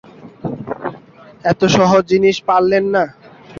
এত সহজ জিনিস পারলেন না।